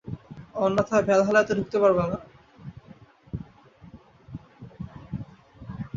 অন্যথায়, ভ্যালহ্যালায় তো ঢুকতে পারবে না।